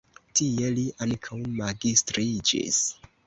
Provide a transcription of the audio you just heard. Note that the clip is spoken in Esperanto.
Tie li ankaŭ magistriĝis.